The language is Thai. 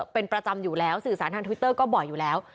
เป็นประจำอยู่แล้วสื่อสารทางทวิตเตอร์ก็บ่อยอยู่แล้ว